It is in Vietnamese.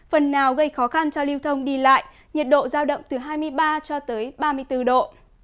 phần nào gây khó khăn cho lưu thông đi lại nhiệt độ giao động từ hai mươi ba cho tới ba mươi bốn độ